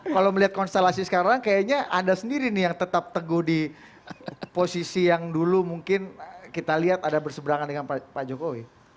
kalau melihat konstelasi sekarang kayaknya anda sendiri nih yang tetap teguh di posisi yang dulu mungkin kita lihat ada berseberangan dengan pak jokowi